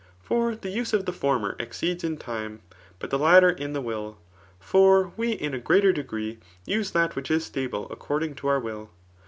For the use of the fonnar exceeds in time ; but of the latter in the will. For we in a greater degiee use that which is stable according toourwfll.